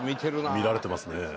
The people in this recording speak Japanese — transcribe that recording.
見られてますね。